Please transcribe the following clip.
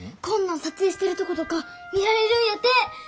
こんなん撮影してるとことか見られるんやて！